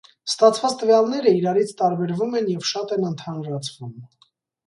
Ստացված տվյալները իրարից տարբերվում են և շատ են ընդհանրացվում։